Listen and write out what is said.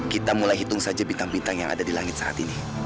kita mulai hitung saja bintang bintang yang ada di langit saat ini